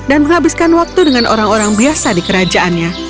menghabiskan waktu dengan orang orang biasa di kerajaannya